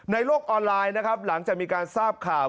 ในโลกออนไลน์หลังจากมีการทราบข่าว